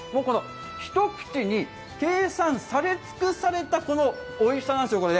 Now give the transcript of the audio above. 一口に計算され尽くされたこのおいしさなんですよ！